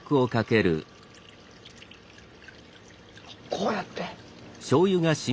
こうやって。